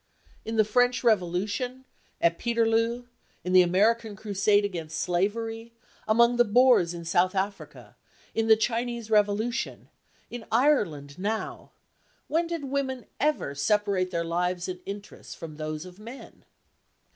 In the French Revolution, at Peterloo, in the American crusade against slavery, among the Boers in South Africa, in the Chinese revolution, in Ireland now, when did women ever separate their lives and interests from those of men?